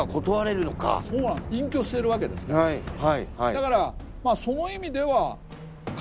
だからその意味では。